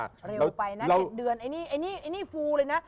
เร็วไปนะ๗เดือนไอ้นี่ฟูเลยนะ